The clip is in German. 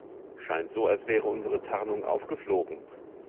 Scheint so, als wäre unsere Tarnung aufgeflogen.